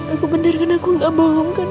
aku beneran aku nggak bohong kan